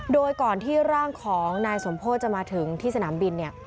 โดยก่อนที่ร่างของนายสมโพธิจะมาถึงที่สนามบินเนี่ย